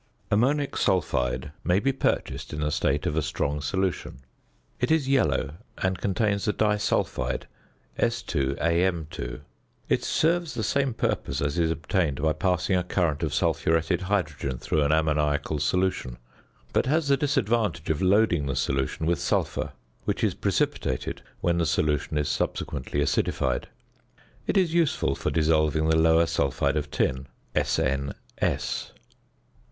~Ammonic Sulphide~ may be purchased in the state of a strong solution. It is yellow, and contains the disulphide, S_Am_. It serves the same purpose as is obtained by passing a current of sulphuretted hydrogen through an ammoniacal solution; but has the disadvantage of loading the solution with sulphur, which is precipitated when the solution is subsequently acidified. It is useful for dissolving the lower sulphide of tin (SnS).